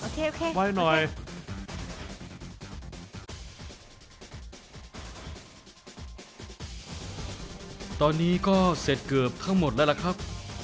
ตอนนี้ก็เสร็จเกือบทั้งหมดแล้วล่ะครับ